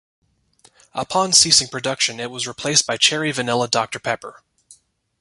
Upon ceasing production, it was replaced by Cherry Vanilla Doctor Pepper.